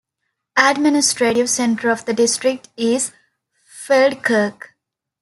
Administrative center of the district is Feldkirch.